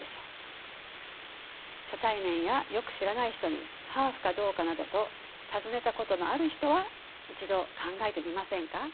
初対面やよく知らない人にハーフかどうかなどと尋ねたことのある人は一度考えてみませんか。